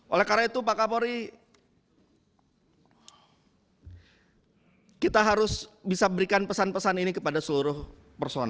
oleh karena itu pak kapolri kita harus bisa berikan pesan pesan ini kepada seluruh personil